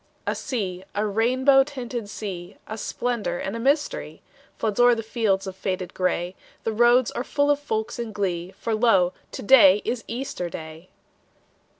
A sea, a rainbow tinted sea, A splendor and a mystery, Floods o'er the fields of faded gray: The roads are full of folks in glee, For lo, to day is Easter Day!